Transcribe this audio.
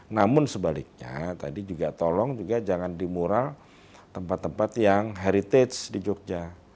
namun sebaliknya tadi juga tolong juga jangan dimural tempat tempat yang heritage di jogja